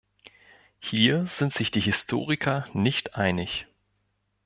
Hier sind sich die Historiker nicht einig.